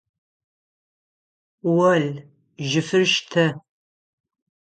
Ол, жьыфыр штэ!